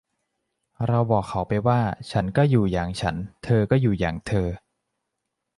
เราบอกเขาไปว่า ฉันก็อยู่อย่างฉัน เธอก็อยู่อย่างเธอ